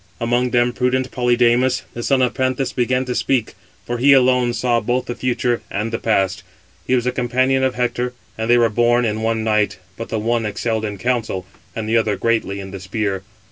Among them prudent Polydamas, the son of Panthus, began to speak, for he alone saw both the future and the past. He was the companion of Hector, and they were born in one night, but the one excelled in counsel, and the other greatly in the spear.